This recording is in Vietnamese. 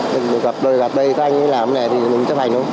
để gặp đời gặp đầy các anh đi làm này thì mình chấp hành luôn